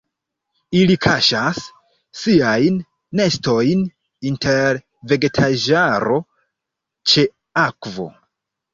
Ili kaŝas siajn nestojn inter vegetaĵaro ĉe akvo.